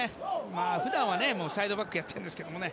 普段はサイドバックやってるんですけどね